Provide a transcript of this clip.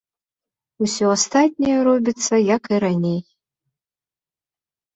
Усё астатняе робіцца, як і раней.